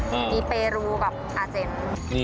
มีเปลูกับอาเจน